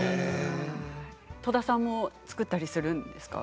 戸田さんも作ったりするんですか？